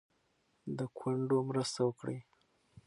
د کونډو مرسته وکړئ.